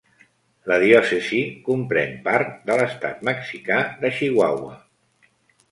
La diòcesi comprèn part de l'estat mexicà de Chihuahua.